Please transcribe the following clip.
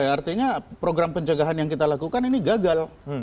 artinya program pencegahan yang kita lakukan ini gagal